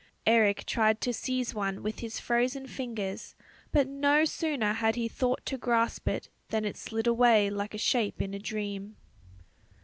Eric tried to seize one with his frozen fingers, but no sooner had he thought to grasp it than it slid away like a shape in a dream.